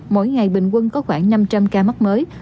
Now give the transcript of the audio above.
mỗi ngày bình quân có khoảng năm trăm linh ca mắc mới